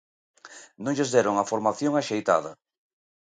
Non lles deron a formación axeitada.